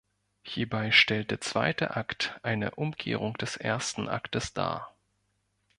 Hierbei stellt der zweite Akt eine Umkehrung des ersten Aktes dar.